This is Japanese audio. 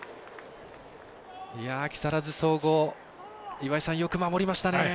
木更津総合、よく守りましたね。